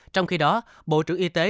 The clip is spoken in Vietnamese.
trong khi đó bộ trưởng y tế